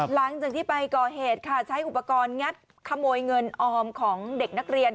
หลังจากที่ไปก่อเหตุค่ะใช้อุปกรณ์งัดขโมยเงินออมของเด็กนักเรียน